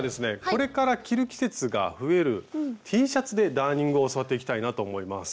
これから着る季節が増えるＴシャツでダーニングを教わっていきたいなと思います。